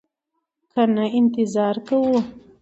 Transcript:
که نه انتظار کوو.